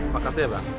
pak katia pak